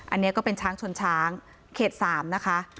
อันนี้ก็เป็นช้างชนช้างเขต๓นะคะ